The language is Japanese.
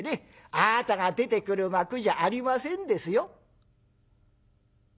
あなたが出てくる幕じゃありませんですよ」。